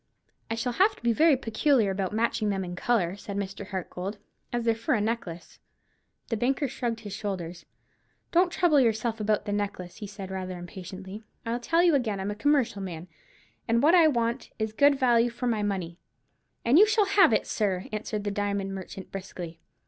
"I shall have to be very particular about matching them in colour," said Mr. Hartgold, "as they're for a necklace." The banker shrugged his shoulders. "Don't trouble yourself about the necklace," he said, rather impatiently. "I tell you again I'm a commercial man, and what I want is good value for my money." "And you shall have it, sir," answered the diamond merchant, briskly.